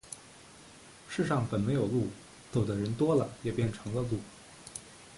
世上本没有路，走的人多了，也便成了路。